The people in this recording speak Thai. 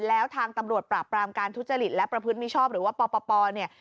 แล้วทางตำรวจปราบปรามการทุจริตและประพฤติมิชชอบหรือว่าปปเนี่ย